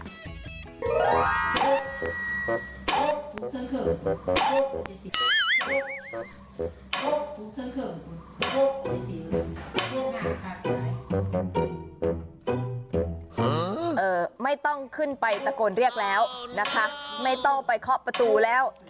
ไม่ต้องขึ้นไปตะโกนเรียกแล้วนะคะไม่ต้องไปเคาะประตูแล้ว